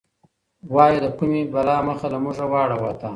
وايه د کومي بلا مخ له موږه واړاوه تا؟